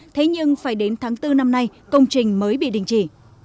thế nhưng phải đến tháng bốn năm nay công trình mới bị đình chỉ